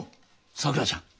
さくらちゃん。